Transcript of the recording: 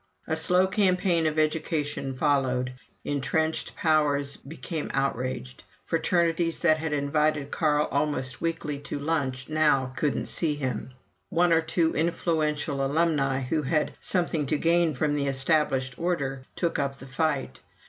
A slow campaign of education followed. Intrenched powers became outraged. Fraternities that had invited Carl almost weekly to lunch, now "couldn't see him." One or two influential alumnæ, who had something to gain from the established order, took up the fight.